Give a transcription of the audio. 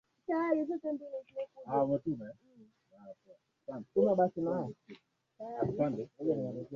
kabla hawajaanza kutekeleza mradi huo Usinielewe vibaya hapa sijakataa kwamba miradi isifanyike lakini kabla